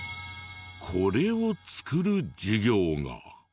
これを作る授業が。